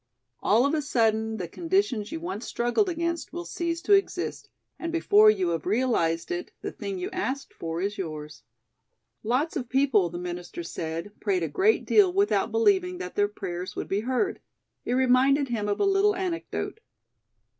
All of a sudden the conditions you once struggled against will cease to exist, and before you have realized it, the thing you asked for is yours." Lots of people, the minister said, prayed a great deal without believing that their prayers would be heard. It reminded him of a little anecdote.